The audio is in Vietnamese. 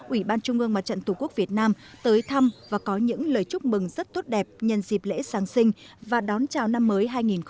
ủy ban trung ương mặt trận tổ quốc việt nam tới thăm và có những lời chúc mừng rất tốt đẹp nhân dịp lễ giáng sinh và đón chào năm mới hai nghìn hai mươi bốn